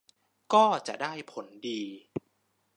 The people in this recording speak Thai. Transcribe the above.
ก็จะได้ผลดี